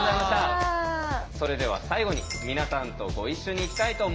それでは最後に皆さんとご一緒にいきたいと思います。